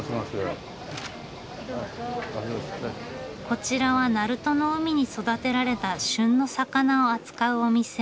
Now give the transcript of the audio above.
こちらは鳴門の海に育てられた旬の魚を扱うお店。